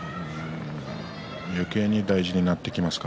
よけいにこれから大事になってきますね